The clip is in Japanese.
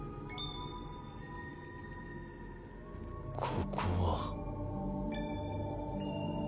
ここは？